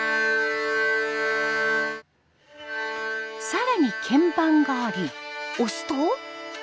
更に鍵盤があり押すと。